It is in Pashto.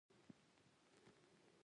پوځي چیغه کړه ژوندي شئ او دېگ ته یې وکتل.